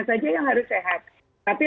saja yang harus sehat tapi